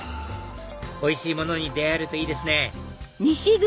おいしいものに出会えるといいですね